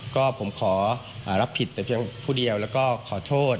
ก็ผมขอรับผิดแต่เพียงผู้เดียวแล้วก็ขอโทษ